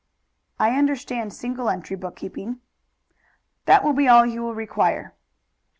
"I understand single entry bookkeeping." "That will be all you will require."